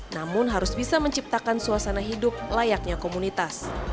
namun harus bisa menciptakan suasana hidup layaknya komunitas